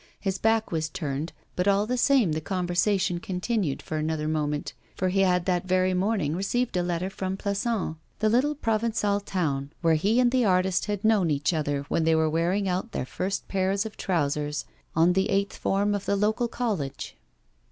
His back was turned, but all the same the conversation continued for another moment, for he had that very morning received a letter from Plassans, the little Provençal town where he and the artist had known each other when they were wearing out their first pairs of trousers on the eighth form of the local college.